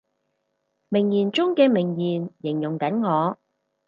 名言中嘅名言，形容緊我